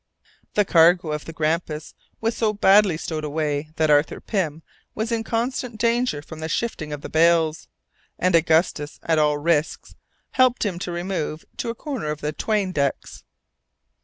The cargo of the Grampus was so badly stowed away that Arthur Pym was in constant danger from the shifting of the bales, and Augustus, at all risks, helped him to remove to a corner of the 'tween decks.